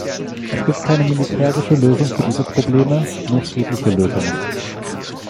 Es gibt keine militärische Lösung für diese Probleme, nur friedliche Lösungen.